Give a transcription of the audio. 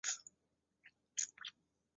金饰章。